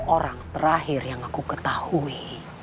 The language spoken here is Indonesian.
orang terakhir yang aku ketahui